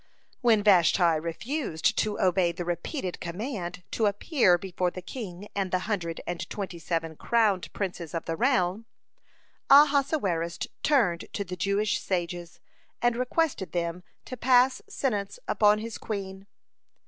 (37) When Vashti refused to obey the repeated command to appear before the king and the hundred and twenty seven crowned princes of the realm, Ahasuerus turned to the Jewish sages, and requested them to pass sentence upon his queen.